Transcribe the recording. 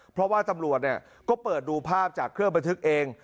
เพราะว่าตำรวจก็เปิดดูภาพจากเครื่องบันทึกเอง